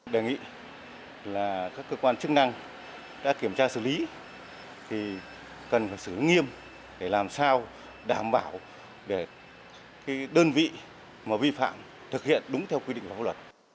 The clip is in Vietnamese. đề nghị là các cơ quan chức năng đã kiểm tra xử lý thì cần sự nghiêm để làm sao đảm bảo để đơn vị mà vi phạm thực hiện đúng theo quy định pháp luật